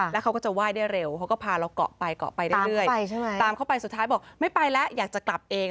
แล้วเขาก็จะไหว้ได้เร็วเขาก็พาเราเกาะไปเกาะไปเรื่อยตามเข้าไปสุดท้ายบอกไม่ไปแล้วอยากจะกลับเอง